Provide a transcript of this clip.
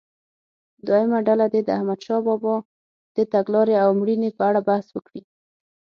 دویمه ډله دې د احمدشاه بابا د تګلارې او مړینې په اړه بحث وکړي.